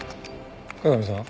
加賀美さん？